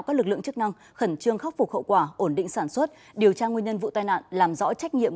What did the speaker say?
các lực lượng chức năng khẩn trương khắc phục hậu quả ổn định sản xuất điều tra nguyên nhân vụ tai nạn làm rõ trách nhiệm